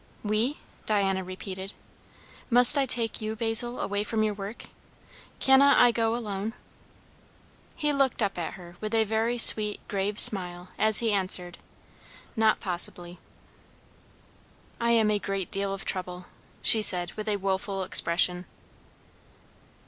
"We?" Diana repeated. "Must I take you, Basil, away from your work? Cannot I go alone?" He looked up at her with a very sweet grave smile as he answered, "Not possibly." "I am a great deal of trouble" she said with a woful expression.